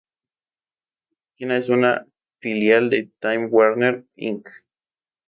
La página es una filial de Time Warner Inc.